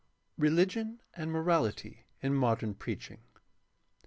Religion and morality in modem preaching.